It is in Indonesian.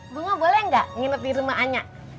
ibu boleh nggak nginap di rumah anya